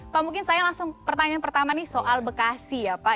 pak mungkin saya langsung pertanyaan pertama nih soal bekasi ya pak